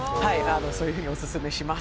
そういうふうにオススメします。